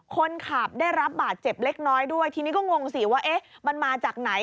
คนขับได้รับบาดเจ็บเล็กน้อยด้วยทีนี้ก็งงสิว่ามันมาจากไหน